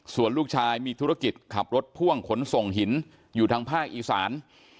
ส่วนลูกชายมีธุรกิจขับรถพ่วงขนส่งหินอยู่ทางภาคอีสาน